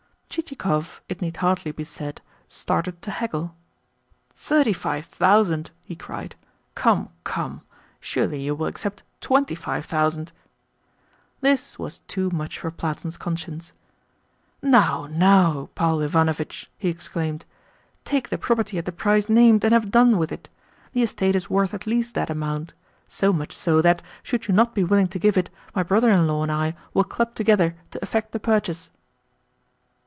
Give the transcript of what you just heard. Chichikov (it need hardly be said) started to haggle. "Thirty five thousand?" he cried. "Come, come! Surely you will accept TWENTY five thousand?" This was too much for Platon's conscience. "Now, now, Paul Ivanovitch!" he exclaimed. "Take the property at the price named, and have done with it. The estate is worth at least that amount so much so that, should you not be willing to give it, my brother in law and I will club together to effect the purchase."